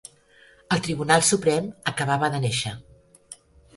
El Tribunal Suprem acabava de néixer.